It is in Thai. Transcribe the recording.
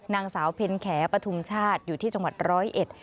นางสาวเพ็ญแขปฐุมชาติอยู่ที่จังหวัดร้อยเอ็ด